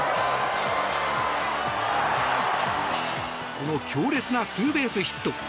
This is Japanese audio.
この強烈なツーベースヒット。